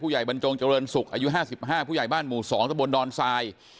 ใหญ่บรรจงเจริญศุกร์อายุ๕๕ผู้ใหญ่บ้านหมู่๒ตะบนดอนทราย